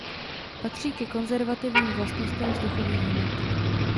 Patří ke konzervativním vlastnostem vzduchových hmot.